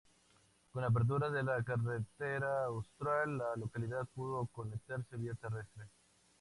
Con la apertura de la Carretera Austral la localidad pudo conectarse vía terrestre.